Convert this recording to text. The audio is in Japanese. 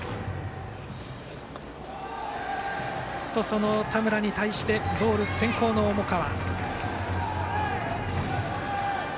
その田村に対してボール先行の重川。